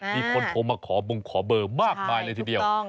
มีคนโทรมาขอบงขอเบลมากมายในที่เดียวใช่ถูกต้อง